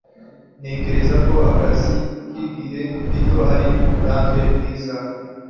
Ntekereza ko akazi k'igihe gito ari uburambe bwiza.